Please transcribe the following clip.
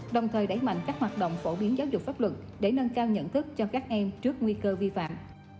đồng thời đẩy mạnh các hoạt động phổ biến giáo dục pháp luật để nâng cao nhận thức cho các em trước nguy cơ vi phạm